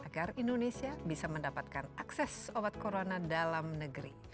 agar indonesia bisa mendapatkan akses obat corona dalam negeri